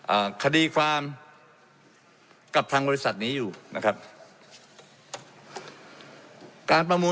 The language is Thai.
อ่าคดีความกับทางบริษัทนี้อยู่นะครับ